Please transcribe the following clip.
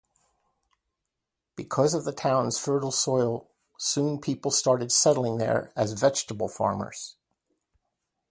Because of the town's fertile soil, soon people started settling there as vegetable farmers.